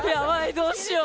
どうしよう！